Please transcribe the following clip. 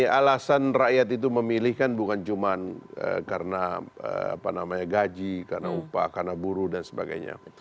ya alasan rakyat itu memilih kan bukan cuma karena gaji karena upah karena buruh dan sebagainya